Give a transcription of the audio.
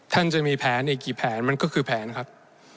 ท่านจะมีแผนอีกกี่แผนมันก็คือแผนครับ